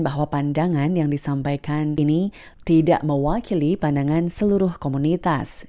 bahwa pandangan yang disampaikan ini tidak mewakili pandangan seluruh komunitas